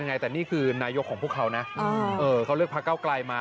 ไงแต่นี่คือนายกของพวกเขานะเขาเลือกพักเก้าไกลมา